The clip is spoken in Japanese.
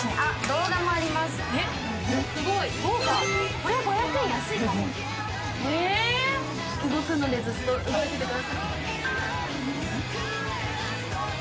動くのでずっと動いててください。